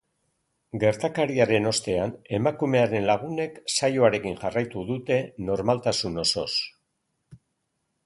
Gertakariaren ostean, emakumearen lagunek saioarekin jarraitu dute normaltasun osoz.